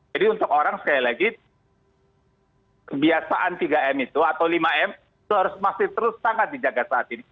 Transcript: jadi untuk orang sekali lagi kebiasaan tiga m itu atau lima m itu harus masih terus sangat dijaga saat ini